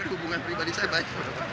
anda tahu hubungan pribadi saya baik